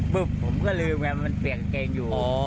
ผมก็ลืมไงมันเปลี่ยนกางเกงอยู่